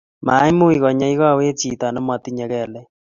Maimuchi konyee kowet chito ne matinye kelek